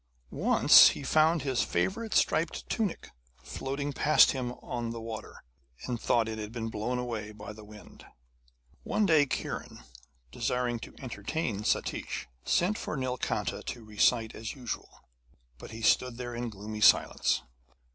Once he found his favourite striped tunic floating past him on the water, and thought it had been blown away by the wind. One day Kiran, desiring to entertain Satish, sent for Nilkanta to recite as usual, but he stood there in gloomy silence.